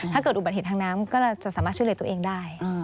ถ้าเกิดอุบัติเหตุทางน้ำก็จะสามารถช่วยเหลือตัวเองได้